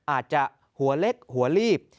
อาจจะหัวเล็กหัวลีบ